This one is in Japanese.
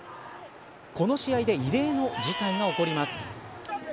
この試合で異例の事態が起こります。